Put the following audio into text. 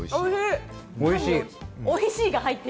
おいしい！